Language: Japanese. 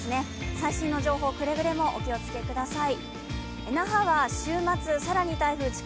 最新の情報、くれぐれもお気をつけください。